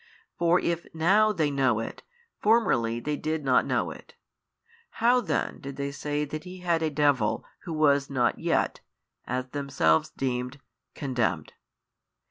For if now they know it, formerly they did not know it: how then did they say that He had a devil who was not yet (as themselves deemed) condemned?